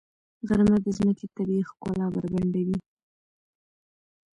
غرمه د ځمکې طبیعي ښکلا بربنډوي.